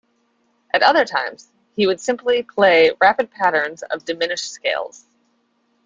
At other times, he would simply play rapid patterns of diminished-scales.